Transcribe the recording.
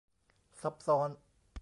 ซับซ้อน